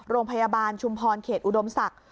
โรงพยาบาลชุมพรเขตอุดมศักดิ์